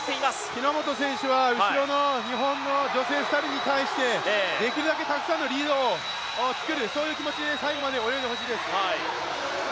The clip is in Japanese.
日本選手は後ろの女性２人に対してできるだけたくさんのリードを作るそういう気持ちで最後まで泳いでほしいです。